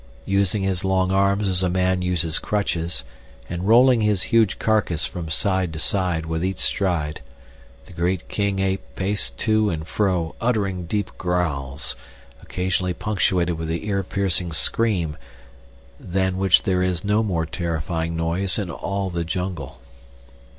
Using his long arms as a man uses crutches, and rolling his huge carcass from side to side with each stride, the great king ape paced to and fro, uttering deep growls, occasionally punctuated with the ear piercing scream, than which there is no more terrifying noise in all the jungle.